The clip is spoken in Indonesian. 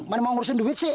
mana mau ngurusin duit sih